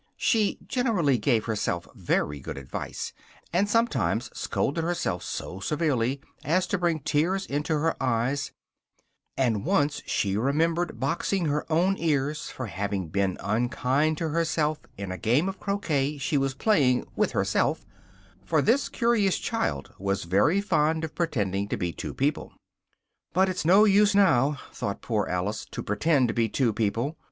(she generally gave herself very good advice, and sometimes scolded herself so severely as to bring tears into her eyes, and once she remembered boxing her own ears for having been unkind to herself in a game of croquet she was playing with herself, for this curious child was very fond of pretending to be two people,) "but it's no use now," thought poor Alice, "to pretend to be two people!